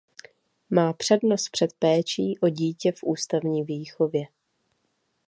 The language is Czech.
Má přednost před péčí o dítě v ústavní výchově.